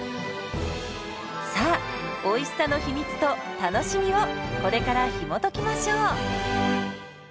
さあおいしさの秘密と楽しみをこれからひもときましょう。